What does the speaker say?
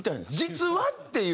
実はっていう。